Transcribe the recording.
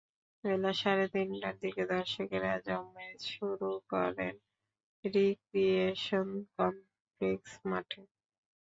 বেলা সাড়ে তিনটার দিকে দর্শকেরা জমায়েত হতে শুরু করেন রিক্রিয়েশন কমপ্লেক্স মাঠে।